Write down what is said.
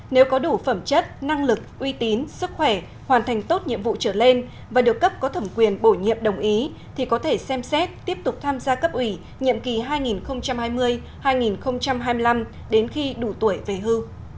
nếu có đủ phẩm chất năng lực uy tín sức khỏe hoàn thành tốt nhiệm vụ trở lên và được cấp có thẩm quyền bổ nhiệm đồng ý thì có thể xem xét tiếp tục tham gia cấp ủy nhiệm kỳ hai nghìn hai mươi hai nghìn hai mươi năm đến khi đủ tuổi về hư